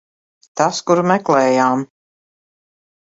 Tas, kuru meklējām.